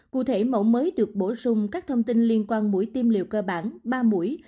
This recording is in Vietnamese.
cụ thể mẫu mới được bổ sung các thông tin liên quan mũi tiêm liều cơ bản ba mũi